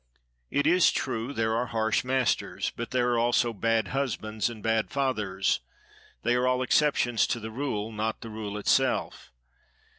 It is true, there are harsh masters; but there are also bad husbands and bad fathers. They are all exceptions to the rule, not the rule itself.